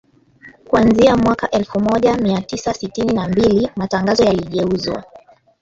Kuanzia mwaka elfu moja mia tisa sitini na mbili matangazo yaligeuzwa